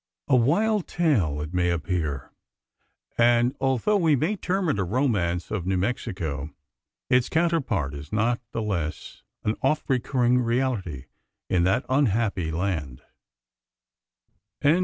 A wild tale it may appear; and, although we may term it a romance of New Mexico, its counterpart is not the less an oft recurring reality in that unhappy land.